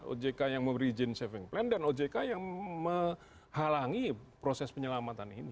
ojk yang memberi izin saving plan dan ojk yang menghalangi proses penyelamatan ini